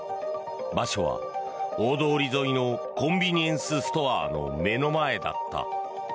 場所は大通り沿いのコンビニエンスストアの目の前だった。